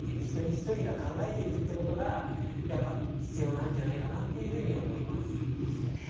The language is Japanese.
一人一人が考えていくってことがやっぱ必要なんじゃないかなっていうふうに思います。